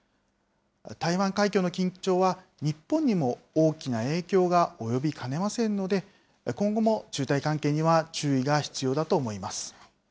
台湾海峡の緊張は、日本にも大きな影響が及びかねませんので、今後も中台関係には注意が必要だと思います。